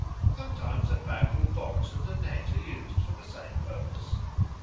Sometimes a bamboo box and a net are used for the same purpose.